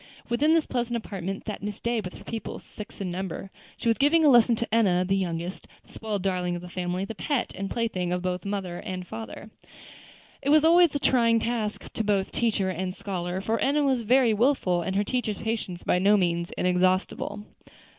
Within this pleasant apartment sat Miss Day with her pupils, six in number. She was giving a lesson to Enna, the youngest, the spoiled darling of the family, the pet and plaything of both father and mother. It was always a trying task to both teacher and scholar, for Enna was very wilful, and her teacher's patience by no means inexhaustible.